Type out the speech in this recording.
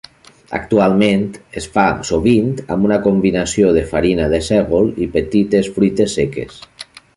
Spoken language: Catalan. Actualment es fa sovint amb una combinació de farina de sègol i petites fruites seques.